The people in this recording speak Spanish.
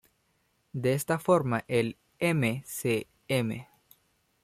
De esta forma el m.c.m.